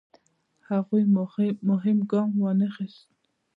هغوی مهم ګام وانخیست.